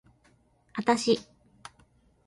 あたし